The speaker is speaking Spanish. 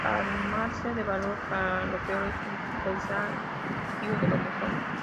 Armarse de valor para lo peor es un presagio de lo mejor.